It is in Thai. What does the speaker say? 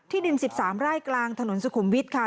ดิน๑๓ไร่กลางถนนสุขุมวิทย์ค่ะ